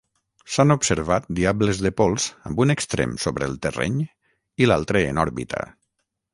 S'han observat diables de pols amb un extrem sobre el terreny i l'altre en òrbita.